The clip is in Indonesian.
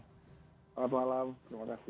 selamat malam terima kasih